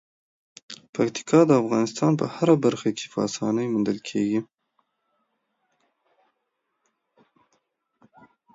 پکتیکا د افغانستان په هره برخه کې په اسانۍ موندل کېږي.